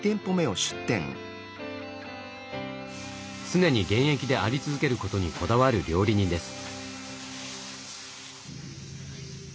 常に現役であり続けることにこだわる料理人です。